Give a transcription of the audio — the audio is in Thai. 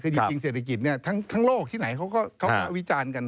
คือจริงเศรษฐกิจเนี่ยทั้งโลกที่ไหนเขาก็วิจารณ์กัน